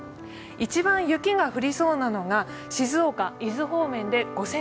一番雪が降りそうなのが、静岡・伊豆方面で５ｃｍ。